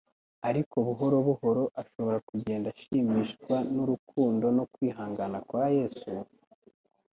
Ariko buhoro buhoro ashobora kugenda ashimishwa n'urukundo no kwihangana kwa Yesu,